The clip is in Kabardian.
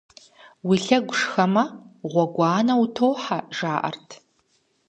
Уи лъэгу шхэмэ, гъуэгуанэ утохьэ жаӀэрт.